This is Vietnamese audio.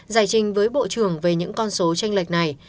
giải trình với bộ trưởng về những con số tranh lệch này